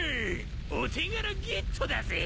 お手柄ゲットだぜ。